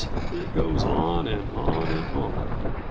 it goes on and on and on.